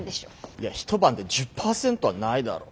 いや一晩で１０％はないだろ。